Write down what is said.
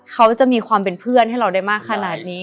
เขาจะมีความเป็นเพื่อนให้เราได้มากขนาดนี้